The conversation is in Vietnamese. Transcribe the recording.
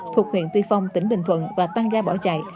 thuộc huyện tuy phong tỉnh bình thuận và tăng ga bỏ chạy